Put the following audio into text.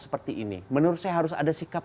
seperti ini menurut saya harus ada sikap